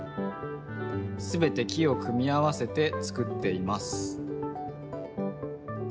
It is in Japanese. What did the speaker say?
すべて木を組み合わせてつくっています。